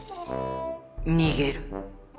逃げる？